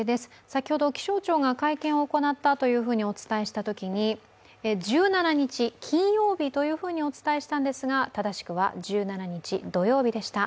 先ほど、気象庁が会見を行ったとお伝えしたときに１７日金曜日とお伝えしたんですが、正しくは１７日、土曜日でした。